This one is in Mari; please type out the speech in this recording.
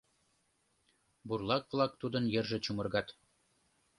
Бурлак-влак тудын йырже чумыргат.